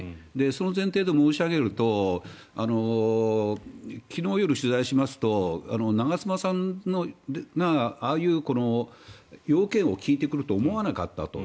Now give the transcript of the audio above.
その前提で申し上げると昨日夜、取材しますと長妻さんがああいう要件を聞いてくると思わなかったと。